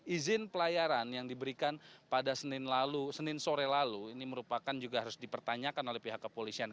izin pelayaran yang diberikan pada senin sore lalu ini merupakan juga harus dipertanyakan oleh pihak kepolisian